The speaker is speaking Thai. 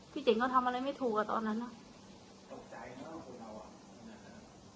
พี่เจ๋งก็ทำอะไรไม่ถูกอะตอนนั้นอ่ะตกใจเนอะของเราอ่ะ